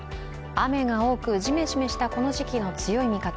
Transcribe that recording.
雨が多くじめじめしたこの時期の、強い味方。